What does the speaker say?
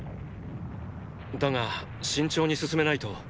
だが慎重に進めないと。